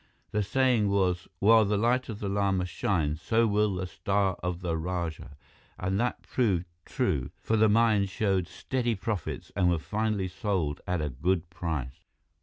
The saying was, 'While the Light of the Lama shines, so will the Star of the Rajah' and that proved true, for the mines showed steady profits and were finally sold at a good price.